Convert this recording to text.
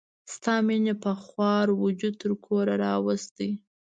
ستا مینې په خوار وجود تر کوره راوستي.